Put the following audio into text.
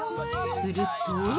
［すると］